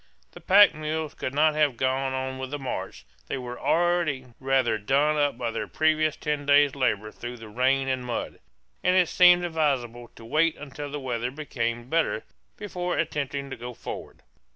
The pack mules could not have gone on with the march; they were already rather done up by their previous ten days' labor through rain and mud, and it seemed advisable to wait until the weather became better before attempting to go forward.